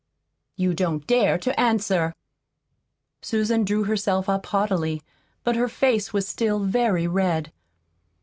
You don't dare to answer!" Susan drew herself up haughtily. But her face was still very red.